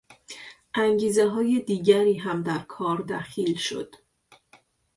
انگیزههای دیگری هم در کار دخیل شد.